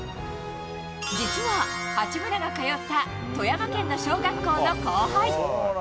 実は、八村が通った富山県の小学校の後輩。